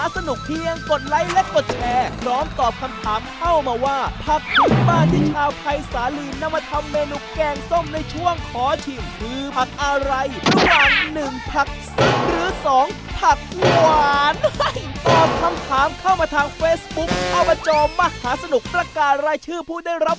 สวัสดีครับ